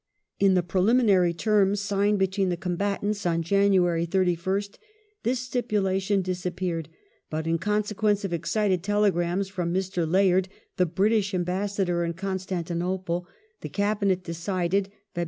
In the preliminary terms signed between combatants on January 31st this stipulation dis appeared ; but, in consequence of excited telegrams from Mr. Layard, the British Ambassador in Constantinople, the Cabinet decided (Feb.